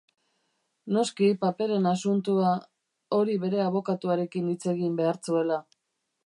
Noski paperen asuntua... hori bere abokatuarekin hitz egin behar zuela.